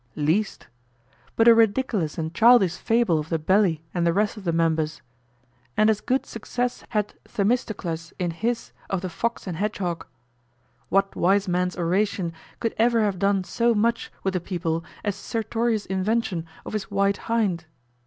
Least. But a ridiculous and childish fable of the belly and the rest of the members. And as good success had Themistocles in his of the fox and hedgehog. What wise man's oration could ever have done so much with the people as Sertorius' invention of his white hind?